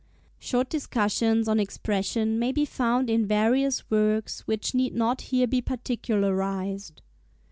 Short discussions on Expression may be found in various works, which need not here be particularised.